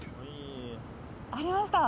ありました